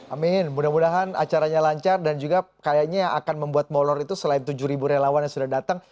amin mudah mudahan acaranya lancar dan juga kayaknya yang akan membuat molor itu selain tujuh relawan yang sudah datang